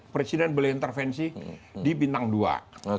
presiden beli intervensi di bintang dua